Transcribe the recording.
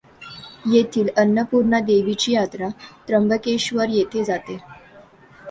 येथील अन्नपूर्णा देवीची यात्रा त्र्यंबकेश्वर येथे जाते.